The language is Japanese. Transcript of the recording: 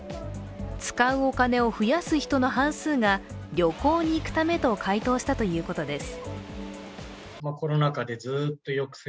使うお金を増やす人の半数が旅行に行くためと回答したということです。